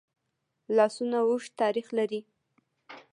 لاسونه اوږد تاریخ لري